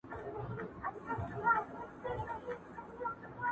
زه چي له خزان سره ژړېږم ته به نه ژاړې!!